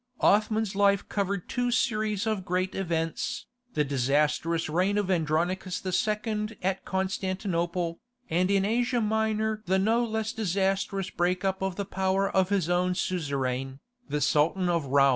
Othman's life covered two series of great events, the disastrous reign of Andronicus II. at Constantinople, and in Asia Minor the no less disastrous break up of the power of his own suzerain, the Sultan of Roum.